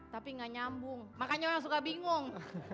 tapi enggak nyambung makanya orang suka bingung